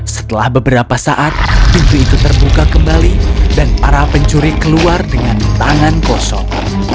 setelah beberapa saat pintu itu terbuka kembali dan para pencuri keluar dengan tangan kosong